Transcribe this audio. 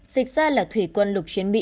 dịch ra là thủy quân lục chiến binh